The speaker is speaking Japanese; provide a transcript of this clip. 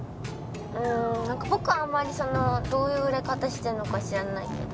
うーんボクあんまりどういう売れ方してるのか知らないけど。